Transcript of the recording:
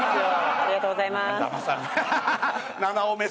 ありがとうございます。